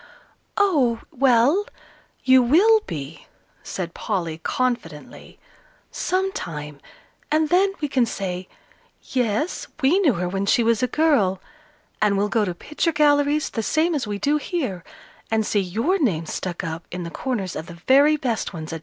"Oh, well; you will be," said Polly, confidently, "sometime, and then we can say 'yes, we knew her when she was a girl,' and we'll go to picture galleries the same as we do here, and see your name stuck up in the corners of the very best ones, Adela."